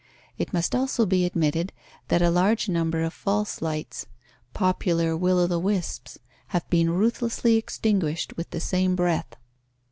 It must also be admitted that a large number of false lights, popular will o' the wisps, have been ruthlessly extinguished with the same breath.